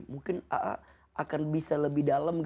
mungkin akan bisa lebih dalam